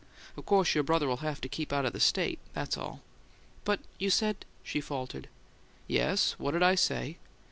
Of course your brother'll have to keep out o' this state; that's all." "But you said " she faltered. "Yes. What'd I say?"